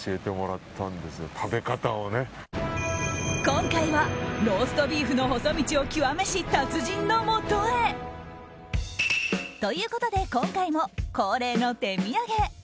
今回はローストビーフの細道を極めし達人のもとへ。ということで今回も恒例の手土産。